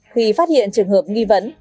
khi phát hiện trường hợp nghi vấn